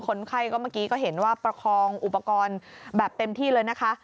คนไข้ก็เมื่อกี้ก็เห็นว่าประคองอุปกรณ์แบบเต็มที่เลยนะคะ